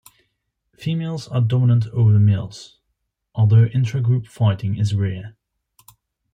Females are dominant over males, although intragroup fighting is rare.